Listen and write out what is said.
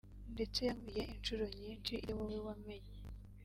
ndetse yankubiye inshuro nyinshi ibyo wowe wamenye